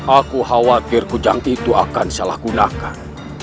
aku khawatir kujang itu akan salah gunakan